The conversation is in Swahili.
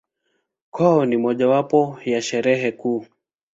Kwao ni mojawapo ya Sherehe kuu.